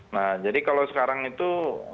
nah jadi kalau sekarang itu